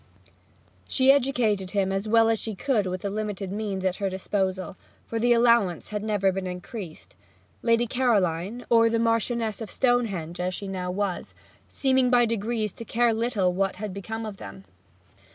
She educated him as well as she could with the limited means at her disposal, for the allowance had never been increased, Lady Caroline, or the Marchioness of Stonehenge as she now was, seeming by degrees to care little what had become of them.